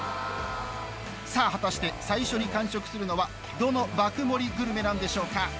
さあ果たして最初に完食するのはどの爆盛りグルメなんでしょうか？